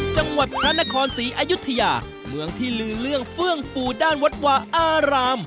จังหวัดพระนครศรีอายุทยาเมืองที่ลือเรื่องเฟื่องฟูด้านวัดวาอาราม